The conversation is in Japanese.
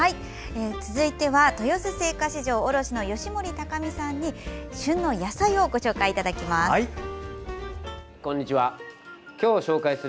続いて豊洲青果市場卸の吉守隆美さんに旬の野菜を紹介していただきます。